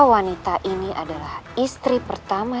wanita ini adalah istri pertama